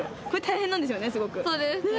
そうですね。